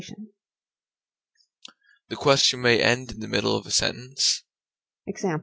The question may end in the middle of a sentence: Is he happy?